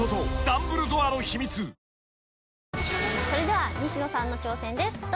それでは西野さんの挑戦です。